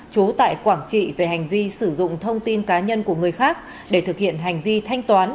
chú tại quảng trị về hành vi sử dụng thông tin cá nhân của người khác để thực hiện hành vi thanh toán